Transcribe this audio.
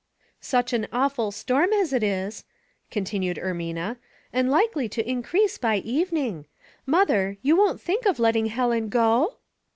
" Such an awful storm as it is," continued Ermina, "and likely to increase by evening. Mother, you won't think of letting Helen go?"